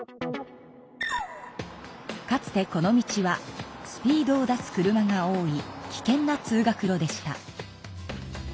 かつてこの道はスピードを出す車が多い危険な通学路でした。